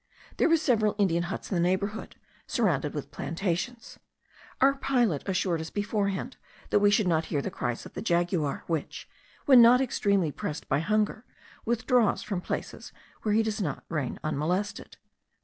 There were several Indian huts in the neighbourhood, surrounded with plantations. Our pilot assured us beforehand that we should not hear the cries of the jaguar, which, when not extremely pressed by hunger, withdraws from places where he does not reign unmolested.